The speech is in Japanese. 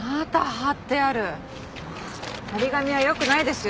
貼り紙は良くないですよ。